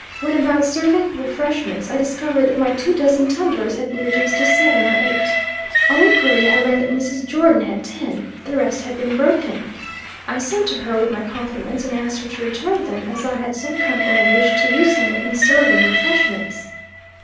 When about serving refreshments, I discovered that my two dozen tumblers had been reduced to seven or eight. On inquiry, I learned that Mrs. Jordon had ten the rest had been broken. I sent to her, with my compliments, and asked her to return them, as I had some company, and wished to use them in serving refreshments.